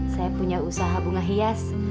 saya punya usaha bunga hias